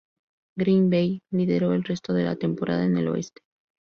Green Bay lideró el resto de la temporada en el Oeste.